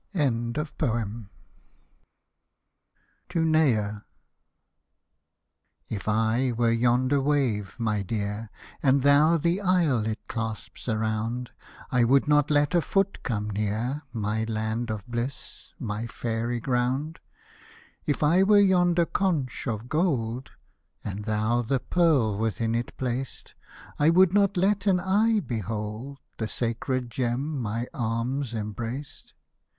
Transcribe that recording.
Hosted by Google 76 EARLY POEMS, BALLADS, AND SONGS TO NEA If I were yonder wave, my dear, And thou the isle it clasps around, I would not let a foot come near My land of bliss, my fairy ground. If I were yonder conch of gold, And thou the pearl within it placed, I would not let an eye behold The sacred gem my arms embraced.